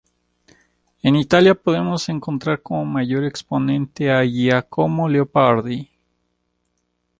En Italia podemos encontrar como mayor exponente a Giacomo Leopardi.